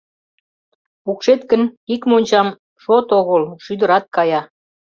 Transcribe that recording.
Пукшет гын, ик мончам, шот огыл — шӱдырат кая.